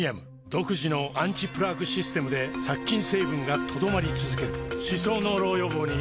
独自のアンチプラークシステムで殺菌成分が留まり続ける歯槽膿漏予防にプレミアム